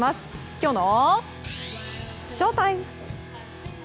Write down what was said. きょうのＳＨＯＴＩＭＥ！